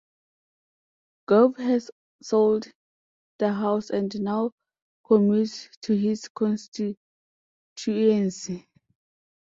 Gove has sold the house and now commutes to his constituency.